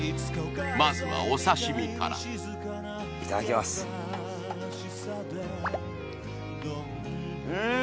まずはお刺身からうん！